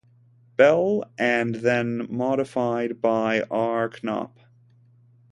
Bell and then modified by R. Knop.